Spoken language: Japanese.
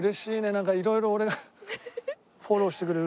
なんかいろいろ俺がフォローしてくれる。